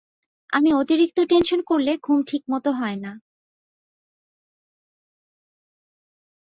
আমি অতিরিক্ত টেনশন করলে ঘুম ঠিকমত হয় না।